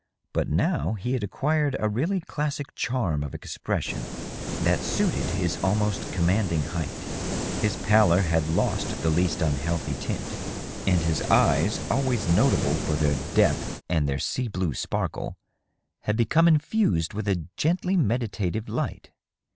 But now he had acquired a really classic charm of expression that suited his almost commanding height. His pallor had lost the least unhealthy tint, and his eyes, always notable for their depth and 556 DOUGLAS DUANE. their sea blue sparkle, had become infused with a gently meditative light.